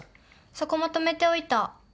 そこまとめておいた。